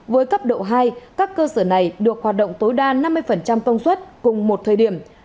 với cấp độ hai các cơ sở này được hoạt động tối đa năm mươi công suất cùng một thời điểm